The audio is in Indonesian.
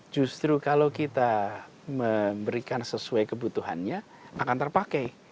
justru kalau kita memberikan sesuai kebutuhannya akan terpakai